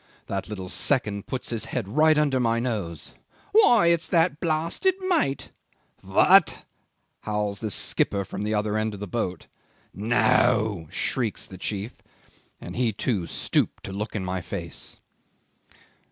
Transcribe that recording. "That little second puts his head right under my nose, 'Why, it's that blasted mate!' 'What!' howls the skipper from the other end of the boat. 'No!' shrieks the chief. And he too stooped to look at my face."